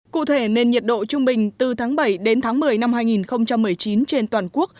cụ thể nền nhiệt độ trung bình từ tháng bảy đến tháng một mươi năm hai nghìn một mươi chín trên toàn quốc